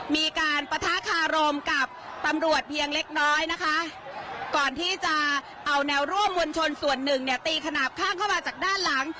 มีการปะทะคารมกับตำรวจเพียงเล็กน้อยนะคะก่อนที่จะเอาแนวร่วมมวลชนส่วนหนึ่งเนี่ยตีขนาดข้างเข้ามาจากด้านหลัง